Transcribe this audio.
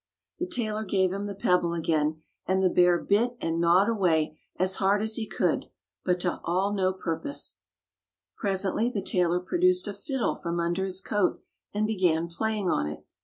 The tailor gave him the pebble again, and the bear bit and gnawed away as hard as he could, but all to no purpose. Presently the tailor produced a fiddle from under his coat and began playing on it.